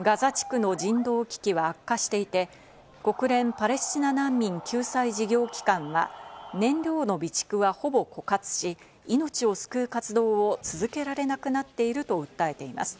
ガザ地区の人道危機は悪化していて、国連パレスチナ難民救済事業機関は、燃料の備蓄はほぼ枯渇し、命を救う活動を続けられなくなっていると訴えています。